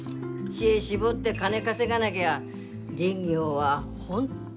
知恵絞って金稼がなきゃ林業は本当に消えるよ。